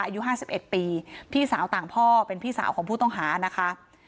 อายุ๕๑ปีพี่สาวต่างพ่อเป็นพี่สาวของผู้ต้องหานะคะ